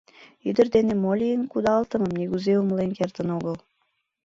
Ӱдыр дене мо лийын кудалтымым нигузе умылен кертын огыл.